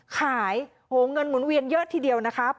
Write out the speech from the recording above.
โหเงินหมุนเวียนเยอะทีเดียวนะครับ